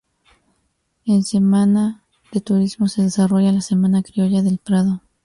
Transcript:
En Semana de Turismo se desarrolla la Semana Criolla del Prado.